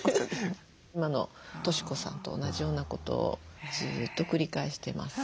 今の俊子さんと同じようなことをずっと繰り返してます。